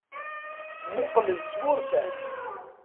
Mmuqqlen-t s wurfan.